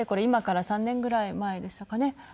今から３年ぐらい前でしたかね？